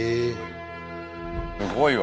すごいわ。